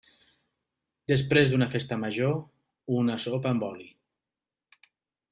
Després d'una festa major, una sopa amb oli.